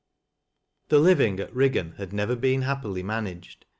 The living at Eiggan had never been happily man aged.